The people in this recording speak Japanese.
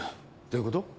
どういうこと？